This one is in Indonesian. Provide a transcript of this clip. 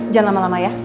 jangan lama lama ya